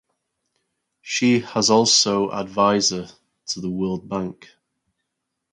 She has also advisor to the World Bank.